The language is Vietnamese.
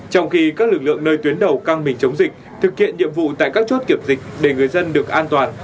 trong khi các lực lượng nơi tuyến đầu căng mình chống dịch thực hiện nhiệm vụ tại các chốt kiểm dịch để người dân được an toàn